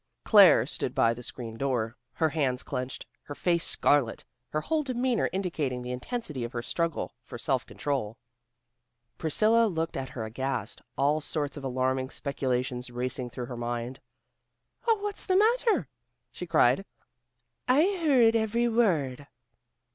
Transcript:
Claire stood by the screen door, her hands clenched, her face scarlet, her whole demeanor indicating the intensity of her struggle for self control. Priscilla looked at her aghast, all sorts of alarming speculations racing through her mind. "Oh, what is the matter?" she cried. "I heard every word."